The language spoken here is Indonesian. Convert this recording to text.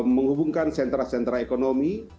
menghubungkan sentra sentra ekonomi